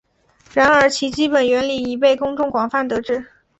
然而其基本原理已被公众广泛得知。